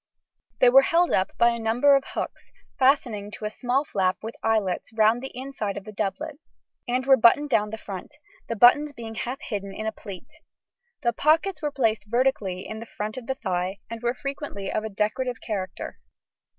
They were held up by a number of hooks, fastening to a small flap with eyelets, round the inside of the doublet (see pattern 11, p. 295), and were buttoned down the front, the buttons being half hidden in a pleat. The pockets were placed vertically in the front of the thigh, and were frequently of a decorative character.